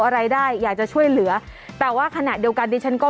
อะไรได้อยากจะช่วยเหลือแต่ว่าขณะเดียวกันดิฉันก็